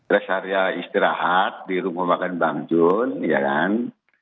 resaharya istirahat di rombongan bang jun ya kan